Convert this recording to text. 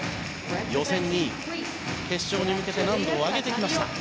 予選２位、決勝に向けて難度を上げてきました。